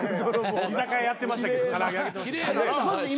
居酒屋やってましたけど唐揚げ揚げてました。